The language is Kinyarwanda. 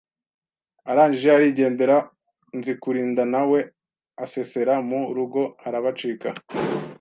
Arangije arigendera Nzikurinda na we asesera mu rugo arabacika